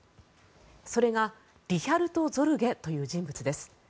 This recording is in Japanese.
それがリヒャルト・ゾルゲという人物です。